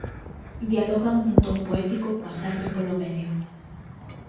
Dialogan nun ton poético coa serpe polo medio.